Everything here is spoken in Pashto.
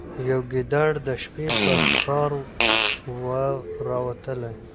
یو ګیدړ د شپې په ښکار وو راوتلی